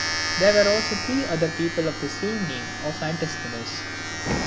There were also three other people of the name of Antisthenes.